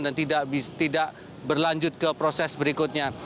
dan tidak berlanjut ke proses berikutnya